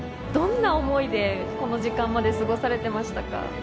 どんな思いで、この時間まで過ごされてましたか。